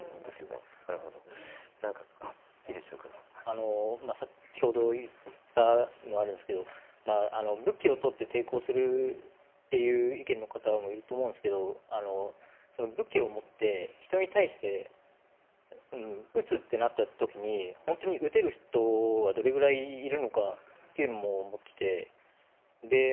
あの先ほど言ったのあるんですけどまあ武器を取って抵抗するっていう意見の方もいると思うんですけど武器を持って人に対して撃つってなった時に本当に撃てる人はどれぐらいいるのかっていうのも思っててでまあ